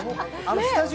スタジオ